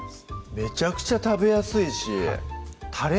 めちゃくちゃ食べやすいしタレ？